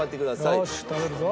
よし食べるぞ。